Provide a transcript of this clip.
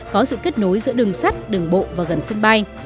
có sự kết nối giữa đường sắt đường bộ và gần sân bay